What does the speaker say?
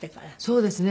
そうですね。